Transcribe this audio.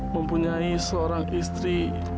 mempunyai seorang istri